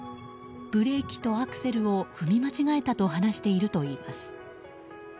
ブレーキとアクセルを踏み間違えたと話しているといいます。